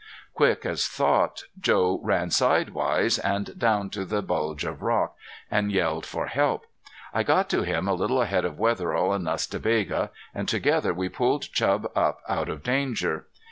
Quick as thought Joe ran sidewise and down to the bulge of rock, and yelled for help. I got to him a little ahead of Wetherill and Nas ta Bega; and together we pulled Chub up out of danger.